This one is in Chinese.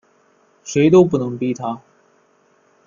谁都不能逼他